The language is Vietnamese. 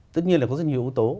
tất nhiên là có rất nhiều yếu tố